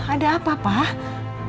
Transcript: ada apa pak